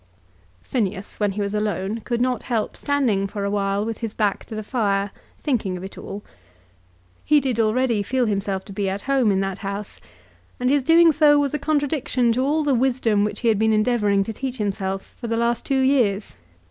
Phineas, when he was alone, could not help standing for awhile with his back to the fire thinking of it all. He did already feel himself to be at home in that house, and his doing so was a contradiction to all the wisdom which he had been endeavouring to teach himself for the last two years.